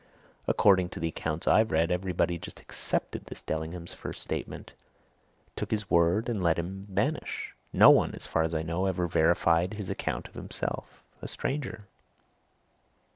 According to the accounts I've read, everybody just accepted this Dellingham's first statement, took his word, and let him vanish! No one, as far as I know, ever verified his account of himself. A stranger!"